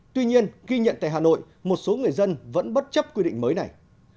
tuy nhiên ghi nhận tại hà nội một số người dân vẫn bất chấp quy định mới này